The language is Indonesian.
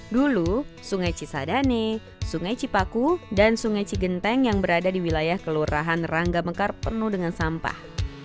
dulu sungai cisadane sungai cipaku dan sungai cigenteng yang berada di wilayah kelurahan rangga mekar penuh dengan sampah